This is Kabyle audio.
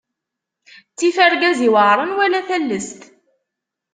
Ttif argaz iweɛṛen, wala tallest.